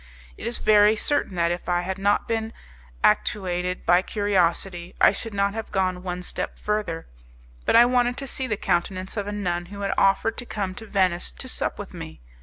It is very certain that if I had not been actuated by curiosity I should not have gone one step further, but I wanted to see the countenance of a nun who had offered to come to Venice to sup with me.